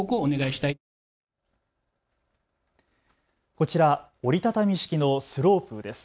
こちら、折り畳み式のスロープです。